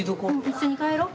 一緒に帰ろう。